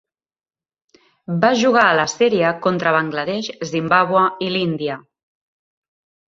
Va jugar a la sèrie contra Bangladesh, Zimbabwe i l'Índia.